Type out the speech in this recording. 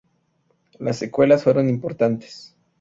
Las secuelas fueron importantes.